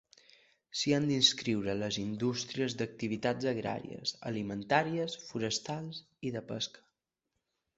S'hi han d'inscriure les indústries d'activitats agràries, alimentàries, forestals i de pesca.